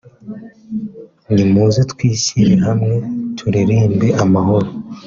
nimuze twishyire hamwe turirimbe amahoro